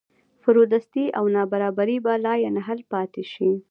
فرودستي او نابرابري به لاینحل پاتې شي.